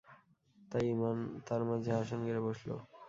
তাই ঈমান তাঁর মাঝে আসন গেড়ে বসল।